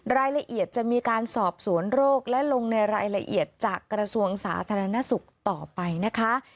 รายละเอียดจะมีการสอบสวนโรคและลงในรายละเอียดจากกระทรวงสาธารณสุขต่อไปนะคะ